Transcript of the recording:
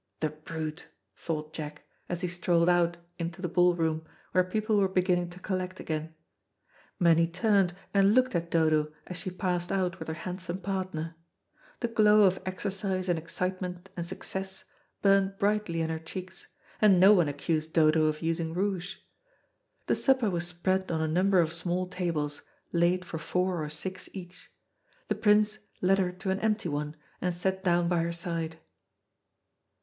"The brute," thought Jack, as he strolled out into the ballroom, where people were beginning to collect again. Many turned and looked at Dodo as, she passed out with her handsome partner. The glow of exercise and excitement and success burned brightly in her cheeks, and no one accused Dodo of using rouge. The supper was spread on a number of small tables, laid for four or six each. The Prince led her to an empty one, and sat down by her side.